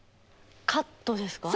カットですか？